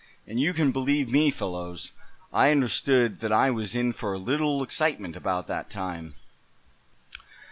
And you can believe me, fellows, I understood that I was in for a little excitement about that time!"